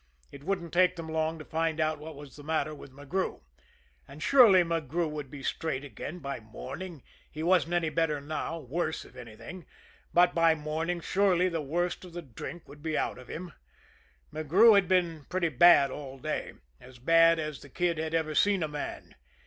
It wouldn't take them long to find out what was the matter with McGrew! And surely McGrew would be straight again by morning he wasn't any better now, worse if anything, but by morning surely the worst of the drink would be out of him. McGrew had been pretty bad all day as bad as the Kid had ever seen a man.